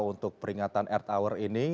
untuk peringatan earth hour ini